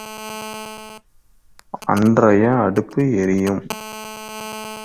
அன்றைய அடுப்பு எரியும்.